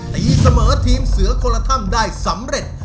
ตีเสมอทีมเสือคนละท่ำได้สำเร็จ